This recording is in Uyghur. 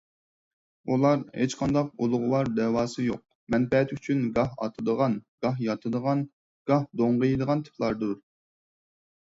ئۇلار ھېچقانداق ئۇلۇغۋار دەۋاسى يوق، مەنپەئەت ئۈچۈن گاھ ئاتىدىغان، گاھ ياتىدىغان، گاھ دوڭغىيىدىغان تىپلاردۇر.